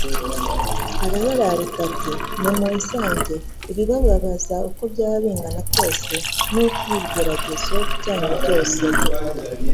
Arabararika ati: «Nimunsange.» Ibibababaza uko byaba bingana kose n'uko ibigeragezo byanyu byose